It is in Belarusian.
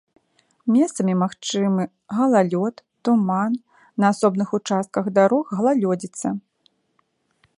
Месцамі магчымы галалёд, туман, на асобных участках дарог галалёдзіца.